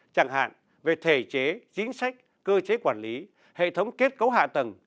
chẳng hạn về thể chế chính sách cơ chế quản lý hệ thống kết cấu hạ tầng